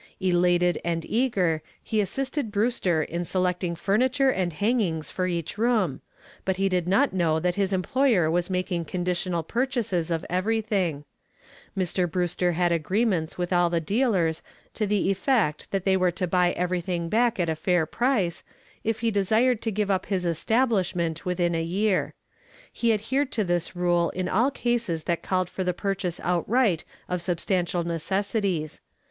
Elated and eager, he assisted Brewster in selecting furniture and hangings for each room, but he did not know that his employer was making conditional purchases of everything. Mr. Brewster had agreements with all the dealers to the effect that they were to buy everything back at a fair price, if he desired to give up his establishment within a year. He adhered to this rule in all cases that called for the purchase outright of substantial necessities.